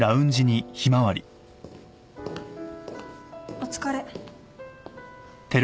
お疲れ。